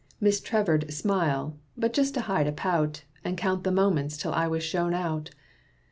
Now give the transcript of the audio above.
Miss Trevor'd smile, but just to hide a pout And count the moments till I was shown out.